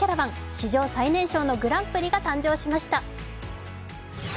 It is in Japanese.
史上最年少のグランプリが誕生しました。